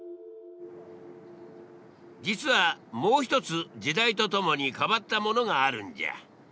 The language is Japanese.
実はもう一つ時代とともに変わったものがあるんじゃ。